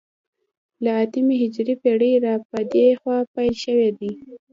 له اتمې هجرې پېړۍ را په دې خوا پیل شوی دی